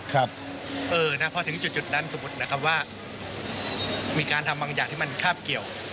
พอถึงจุดนั้นสมมุตินะครับว่ามีการทำบางอย่างที่มันคาบเกี่ยว